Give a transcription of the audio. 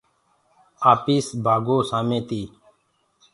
آپيس بآگو سآمي تي